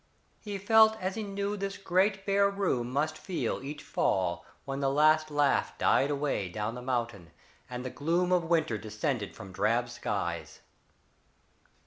He felt as he knew this great bare room must feel each fall when the last laugh died away down the mountain, and the gloom of winter descended from drab skies.